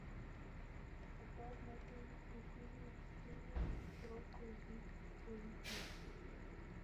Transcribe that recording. Опять над уличной пылью ступенями строк ввысь поведи!